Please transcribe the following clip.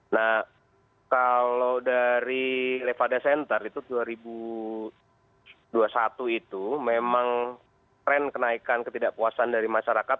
nah kalau dari levada center itu dua ribu dua puluh satu itu memang tren kenaikan ketidakpuasan dari masyarakat